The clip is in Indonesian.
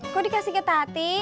kok dikasih ke tati